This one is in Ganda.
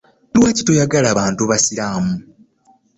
Lwaki toyagala bantu basiraamu?